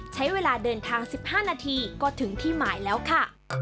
ใช้เวลาเดินทาง๑๕นาทีก็ถึงที่หมายแล้วค่ะ